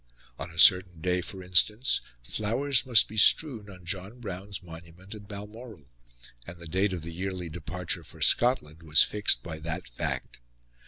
On a certain day, for instance, flowers must be strewn on John Brown's monument at Balmoral; and the date of the yearly departure for Scotland was fixed by that fact.